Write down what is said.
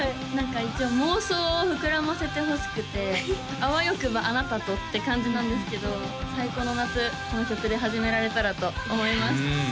一応妄想を膨らませてほしくて「あわよくばあなたと」って感じなんですけど最高の夏この曲で始められたらと思います